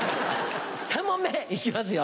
３問目行きますよ。